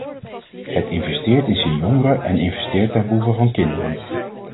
Het investeert in zijn jongeren en investeert ten behoeve van kinderen.